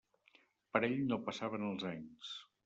Per ell no passaven els anys.